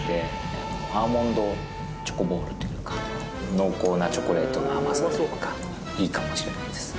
濃厚なチョコレートの甘さとかいいかもしれないです。